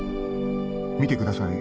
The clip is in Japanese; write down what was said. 見てください